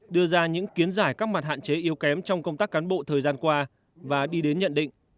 đưa ra những kiến giải các mặt hạn chế yếu kém trong công tác cán bộ thời gian qua và đi đến nhận định